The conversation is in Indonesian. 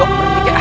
dok berhenti ya